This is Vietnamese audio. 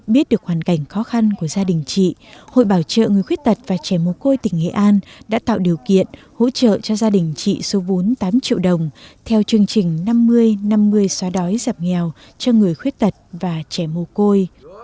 biết được hoàn cảnh khó khăn của gia đình chị hội bảo trợ người khuyết tật và trẻ mô côi tỉnh nghệ an đã tạo điều kiện hỗ trợ cho gia đình chị số vốn tám triệu đồng theo chương trình năm mươi năm mươi xóa đói dập nghèo cho người khuyết tật và trẻ mô côi